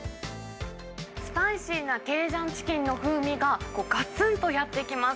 スパイシーなケイジャンチキンの風味が、こう、がつんとやってきます。